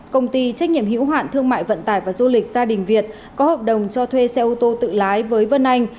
công ty trách nhiệm hữu hạn thương mại vận tải và du lịch gia đình việt có hợp đồng cho thuê xe ô tô tự lái với vân anh